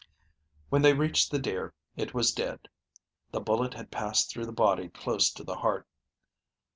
When they reached the deer it was dead. The bullet had passed through the body close to the heart.